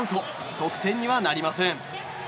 得点にはなりません。